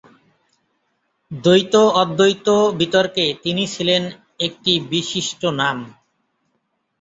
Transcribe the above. দ্বৈত-অদ্বৈত বিতর্কে তিনি ছিলেন একটি বিশিষ্ট নাম।